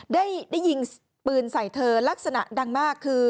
ได้ยิงปืนใส่เธอลักษณะดังมากคือ